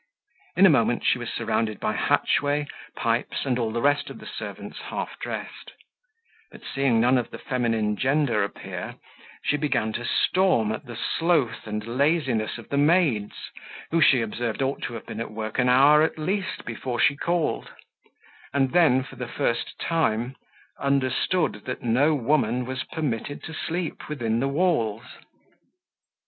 In a moment she was surrounded by Hatchway, Pipes, and all the rest of the servants half dressed; but seeing none of the feminine gender appear, she began to storm at the sloth and laziness of the maids, who, she observed, ought to have been at work an hour at least before she called; and then, for the first time, understood that no woman was permitted to sleep within the walls.